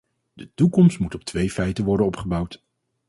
De toekomst moet op twee feiten worden opgebouwd.